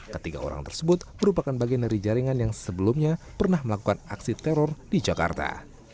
ketiga orang tersebut merupakan bagian dari jaringan yang sebelumnya pernah melakukan aksi teror di jakarta